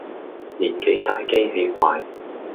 年紀大機器壞